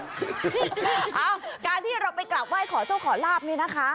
เอ้าการที่เราไปกลับไหว้ขอโชคขอลาบนี่นะคะ